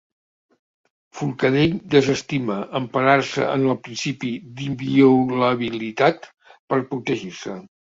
Forcadell desestima emparar-se en el principi d'inviolabilitat per protegir-se